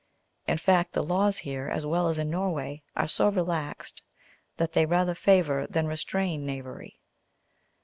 In fact, the laws here, as well as in Norway, are so relaxed that they rather favour than restrain knavery.